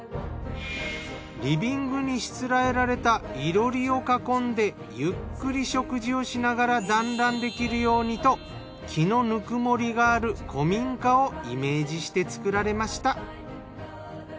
リビングに設えられた囲炉裏を囲んでゆっくり食事をしながら団らんできるようにと木の温もりがある古民家をイメージして作られました。